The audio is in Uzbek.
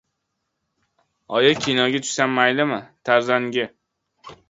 — Oyi, kinoga tushsam maylimi? Tarzanga?